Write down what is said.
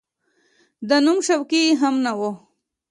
د نوم شوقي یې هم نه و.